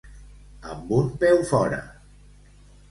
Amb un peu fora.